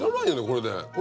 これで。